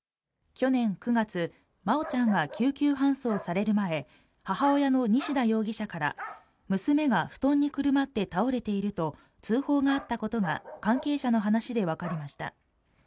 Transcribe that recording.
去年９月真愛ちゃんが救急搬送される前母親の西田容疑者から娘が布団にくるまって倒れていると通報があったことが関係者の話で分かりました